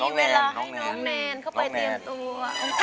มีเวลาให้น้องแนนเข้าไปเตรียมตัว